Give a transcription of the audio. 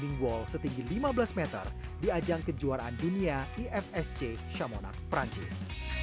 seorang pemenang berdiri di piring wall setinggi lima belas meter di ajang kejuaraan dunia ifsc chamonix perancis